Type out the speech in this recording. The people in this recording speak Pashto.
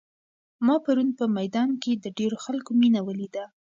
ما پرون په میدان کې د ډېرو خلکو مینه ولیده.